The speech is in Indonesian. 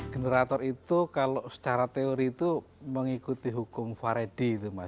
generator itu kalau secara teori itu mengikuti hukum varedi itu mas